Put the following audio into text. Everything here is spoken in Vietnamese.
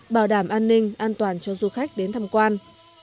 bảo đảm an ninh an toàn cho du khách đến thăm quan